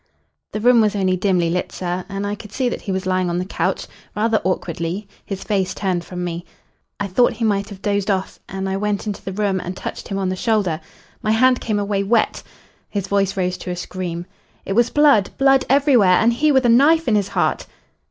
"The room was only dimly lit, sir, and I could see that he was lying on the couch, rather awkwardly, his face turned from me. I thought he might have dozed off, and I went into the room and touched him on the shoulder. My hand came away wet!" His voice rose to a scream. "It was blood blood everywhere and he with a knife in his heart."